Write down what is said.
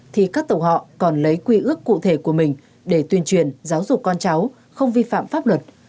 thì các tổ họ còn lấy quy ước cụ thể của mình để tuyên truyền giáo dục con cháu không vi phạm pháp luật